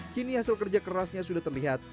kini hasil kerja kerasnya sudah terlihat